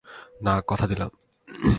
না, কথা দিলাম।